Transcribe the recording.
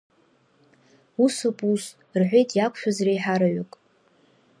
Ус ауп ус, — рҳәеит иақәшәаз реиҳараҩык.